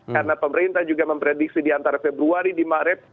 karena pemerintah juga memprediksi diantara februari dimaret